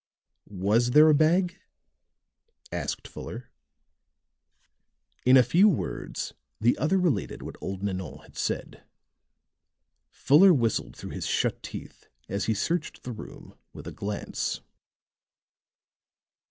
"Was there a bag?" asked Fuller. In a few words the other related what old Nanon had said. Fuller whistled through his shut teeth as he searched the room with a glance.